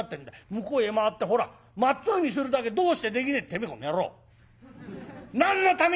向こうへ回ってほらまっつぐにするだけどうしてできねえてめえこの野郎！何のために畳にへりがある！